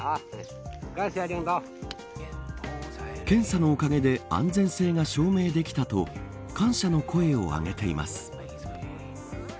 検査のおかげで安全性が証明できたと感謝の声をあげています。